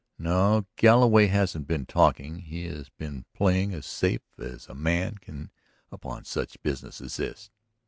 No, Galloway hasn't been talking and he has been playing as safe as a man can upon such business as this.